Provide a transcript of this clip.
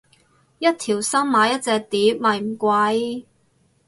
一條心買一隻碟咪唔貴